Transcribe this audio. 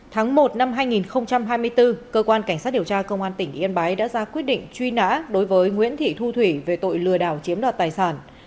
tháng một năm hai nghìn hai mươi bốn cơ quan cảnh sát điều tra công an tỉnh yên bái đã ra quyết định truy nã đối với nguyễn thị thu thủy về tội lừa đảo chiếm đoạt tài sản